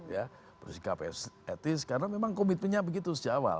ya bersikap etis karena memang komitmennya begitu sejak awal